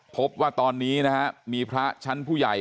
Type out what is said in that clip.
พบว่าตอนนี้นะฮะมีพระชั้นผู้ใหญ่